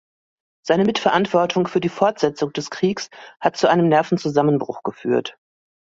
Seine Mitverantwortung für die Fortsetzung des Kriegs hat zu einem Nervenzusammenbruch geführt.